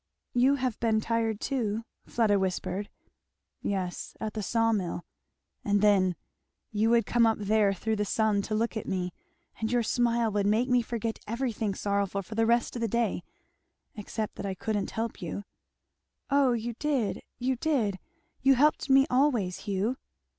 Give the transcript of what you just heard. "You have been tired too," Fleda whispered. "Yes at the saw mill. And then you would come up there through the sun to look at me, and your smile would make me forget everything sorrowful for the rest of the day except that I couldn't help you." "Oh you did you did you helped me always, Hugh."